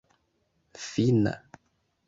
fina